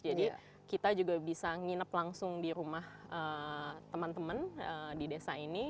jadi kita juga bisa nginep langsung di rumah teman teman di desa ini